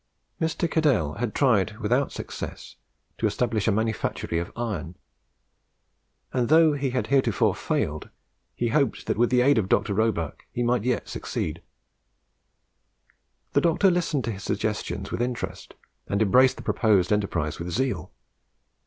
Mr. Cadell had tried, without success, to establish a manufactory of iron; and, though he had heretofore failed, he hoped that with the aid of Dr. Roebuck he might yet succeed. The Doctor listened to his suggestions with interest, and embraced the proposed enterprise with zeal.